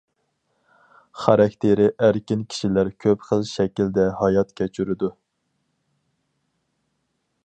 خاراكتېرى ئەركىن كىشىلەر كۆپ خىل شەكىلدە ھايات كەچۈرىدۇ.